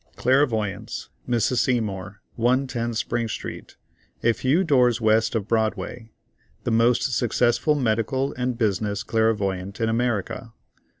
"CLAIRVOYANCE.—MRS. SEYMOUR, 110 Spring Street, a few doors west of Broadway, the most successful medical and business Clairvoyant in America.